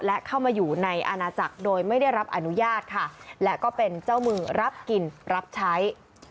และเข้ามาอยู่ในอาณาจักรโดยไม่ได้รับอนุญาตค่ะและก็เป็นเจ้ามือรับกินรับใช้